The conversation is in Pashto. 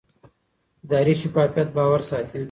اداري شفافیت باور ساتي